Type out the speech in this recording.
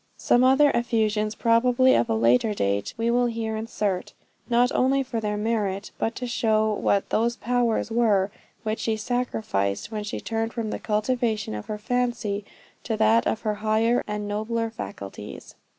Some other effusions, probably of a later date, we will here insert, not only for their merit, but to show what those powers were which she sacrificed, when she turned from the cultivation of her fancy to that of her higher and nobler faculties.